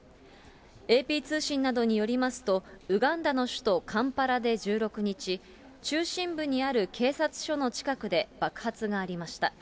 ＡＰ通信などによりますと、ウガンダの首都カンパラで１６日、中心部にある警察署の近くで爆発がありました。